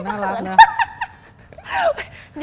น่ารักนะ